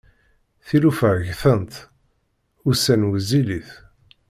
Tilufa ggtent, ussan wezzilit.